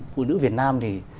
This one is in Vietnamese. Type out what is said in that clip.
phụ nữ việt nam thì